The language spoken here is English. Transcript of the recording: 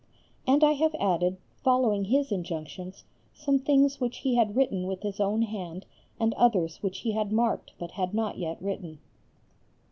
And I have added, following his injunctions, some things which he had written with his own hand, and others, which he had marked, but had not yet written.